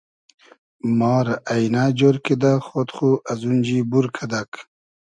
ما رۂ اݷنۂ جۉر کیدۂ خۉد خو ازونجی بور کئدئگ